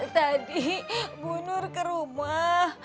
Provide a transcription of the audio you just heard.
tadi bu nur ke rumah